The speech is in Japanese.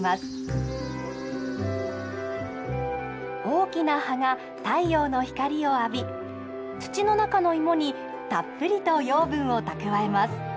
大きな葉が太陽の光を浴び土の中の芋にたっぷりと養分を蓄えます。